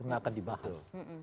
nggak akan dibahas